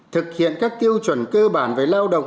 thực hiện các tiêu chuẩn cơ bản về lao động